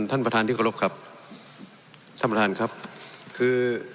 ท่านประธานที่เคารพครับท่านประธานครับคือ